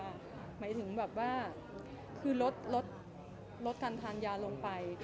หมายถึงแบบว่าคือลดการทานยาลงไป